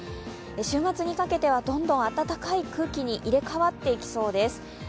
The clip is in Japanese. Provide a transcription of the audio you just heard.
週末にかけてはどんどん暖かい空気に入れ代わっていきそうです。